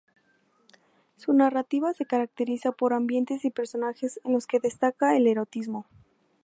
Su narrativa se caracteriza por ambientes y personajes en los que destaca el erotismo.